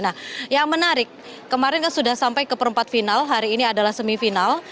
nah yang menarik kemarin kan sudah sampai ke perempat final hari ini adalah semifinal